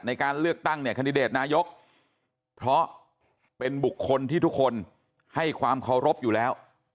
ในการเลือกตั้งเนี่ยคันดิเดตนายกเพราะเป็นบุคคลที่ทุกคนให้ความเคารพอยู่แล้ว